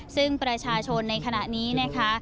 ซึ่งประชาชนในขณะนี้นะคะ